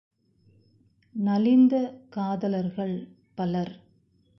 நலிந்த காதலர்கள் பலர்!